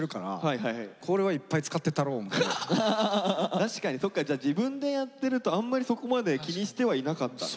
確かにそっか自分でやってるとあんまりそこまで気にしてはいなかったんだ。